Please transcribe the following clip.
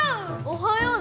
おそよう！